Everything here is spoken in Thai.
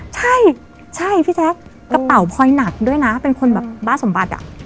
ใช่ใช่พี่แจ๊คกระเป๋าพลอยหนักด้วยนะเป็นคนแบบบ้าสมบัติอ่ะ